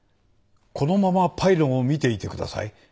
このままパイロンを見ていてください。